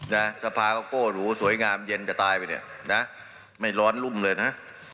ทรภาก็โกรธถูอสวยงามเย็นจะตายไปไม่ร้อนรุ่มเลยนะ